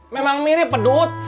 memang mirip dut